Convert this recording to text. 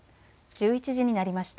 １１時になりました。